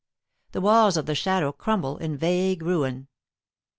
The walls of the Shadow crumble in vague ruin.